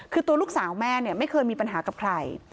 คือตัวลูกสาวแม่เนี่ยไม่เคยมีปัญหากับใคร